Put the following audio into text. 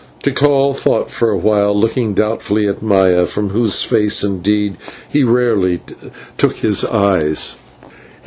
Tikal thought for a while, looking doubtfully at Maya, from whose fair face, indeed, he rarely took his eyes.